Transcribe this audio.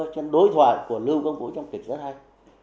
trên đối thoại của lưu quang vũ trong kịch rất hay